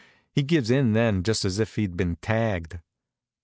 He gives in then, just as if he'd been tagged.